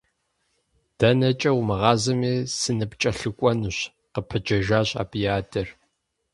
ДэнэкӀэ умыгъазэми, сыныпкӀэлъыкӀуэнущ, – къыпэджэжащ абы и адэр.